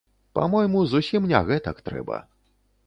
Па-мойму зусім не гэтак трэба.